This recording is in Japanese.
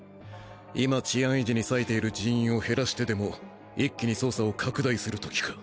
今治安維持に割いている人員を減らしてでも一気に捜査を拡大する時か。